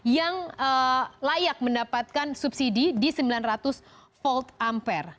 yang layak mendapatkan subsidi di sembilan ratus volt ampere